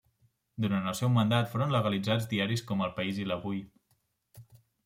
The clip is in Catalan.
Durant el seu mandat foren legalitzats diaris com El País i l'Avui.